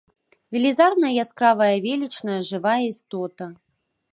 Велізарная, яскравая, велічная жывая істота.